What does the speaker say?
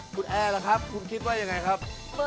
คุณแอร์ล่ะครับคุณคิดว่ายังไงครับ